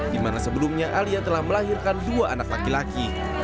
di mana sebelumnya alia telah melahirkan dua anak laki laki